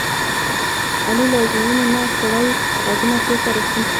علي له ازموینې نه کوړی غوږونه کورته راستون شو.